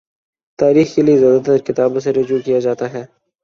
تاریخ کے لیے زیادہ ترکتابوں سے رجوع کیا جاتا ہے۔